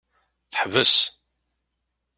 Teḥbes.